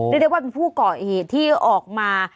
เรียกได้ว่าเป็นผู้ก่อเหตุที่ออกมา